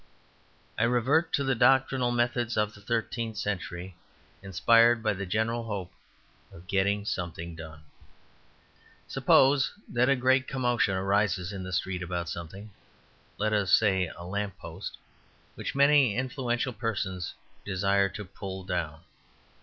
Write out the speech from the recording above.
I revert to the doctrinal methods of the thirteenth century, inspired by the general hope of getting something done. Suppose that a great commotion arises in the street about something, let us say a lamp post, which many influential persons desire to pull down.